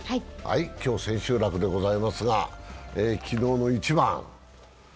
今日千秋楽でございますが、昨日の一番。